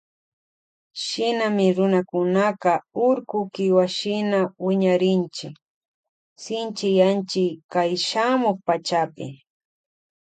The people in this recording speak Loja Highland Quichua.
Shinami runakunaka urku kiwashina wiñarinchi shinchiyanchi kay shamuk pachapi.